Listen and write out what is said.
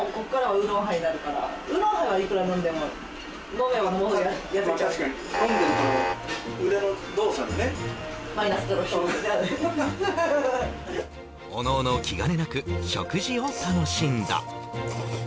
おのおの気兼ねなく食事を楽しんだ